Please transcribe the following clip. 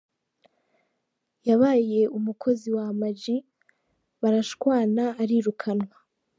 Yabaye umukozi wa Ama G barashwana arirukanwa.